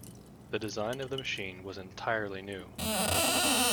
The design of the machine was entirely new.